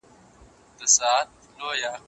په څېړنه کي له چا څخه مرسته اخلئ؟